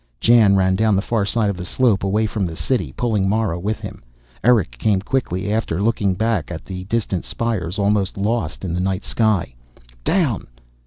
_" Jan ran, down the far side of the slope, away from the City, pulling Mara with him. Erick came quickly after, still looking back at the distant spires, almost lost in the night sky. "Down."